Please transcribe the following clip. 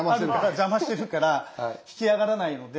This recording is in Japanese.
邪魔してるから引き上がらないので。